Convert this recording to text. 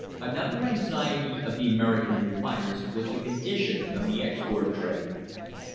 Another anxiety of the American refiners was the condi tion of the export trade.